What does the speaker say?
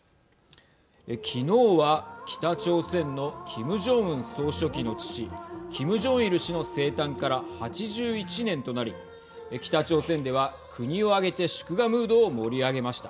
昨日は北朝鮮のキム・ジョンウン総書記の父キム・ジョンイル氏の生誕から８１年となり北朝鮮では国を挙げて祝賀ムードを盛り上げました。